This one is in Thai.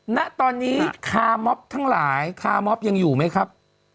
ณตอนนี้คาร์มอบทั้งหลายคามอบยังอยู่ไหมครับ